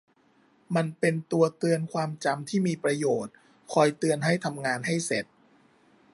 มันเป็นตัวเตือนความจำที่มีประโยชน์ คอยเตือนให้ทำงานให้เสร็จ